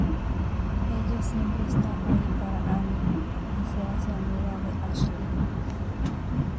Ella siempre está ahí para Amy y se hace amiga de Ashley.